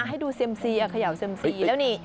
ให้ดูเซียมซีเขย่าเซียมซีแล้วนี่